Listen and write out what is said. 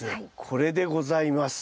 これでございます。